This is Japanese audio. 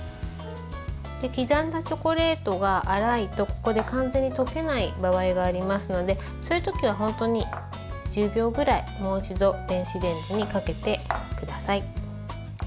刻んだチョコレートが粗いとここで完全に溶けない場合がありますのでそういうときは本当に１０秒ぐらいもう一度電子レンジにかけてください。